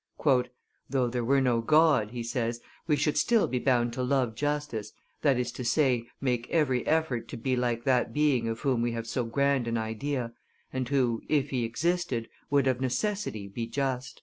"Though there were no God," he says, "we should still be bound to love justice, that is to say, make every effort to be like that Being of whom we have so grand an idea, and who, if He existed, would of necessity be just."